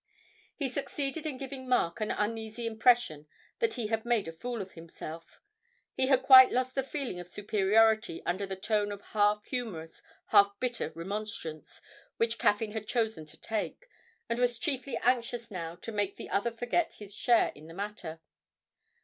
He succeeded in giving Mark an uneasy impression that he had made a fool of himself. He had quite lost the feeling of superiority under the tone of half humorous, half bitter remonstrance which Caffyn had chosen to take, and was chiefly anxious now to make the other forget his share in the matter.